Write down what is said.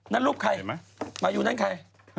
นั่นรูปใครมาอยู่นั่นใคร